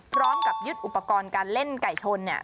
พร้อมกับยึดอุปกรณ์การเล่นไก่ชนเนี่ย